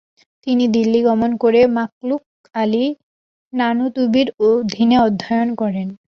তিনি দিল্লি গমন করে মামলুক আলী নানুতুবির অধীনে অধ্যয়ন করেন।